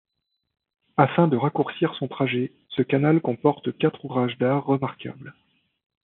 Afin de raccourcir son trajet, ce canal comporte quatre ouvrages d'art remarquables.